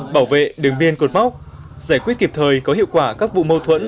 bảo vệ đường biên cột mốc giải quyết kịp thời có hiệu quả các vụ mâu thuẫn